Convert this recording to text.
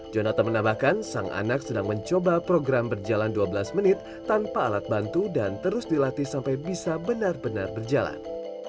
jonathan menambahkan sang anak sedang mencoba program berjalan dua belas menit tanpa alat bantu dan terus dilatih sampai bisa benar benar berjalan